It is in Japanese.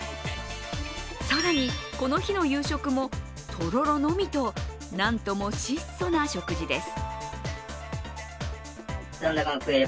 更に、この日の夕食も、とろろのみと、なんとも質素な食事です。